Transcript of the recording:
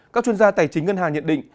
các chuyên gia tài chính ngân hàng nhận định